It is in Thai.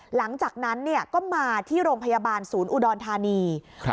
หลังจากนั้นเนี่ยก็มาที่โรงพยาบาลศูนย์อุดรธานี